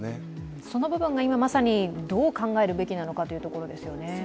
その部分が今まさにどう考えるべきなのかというところですよね。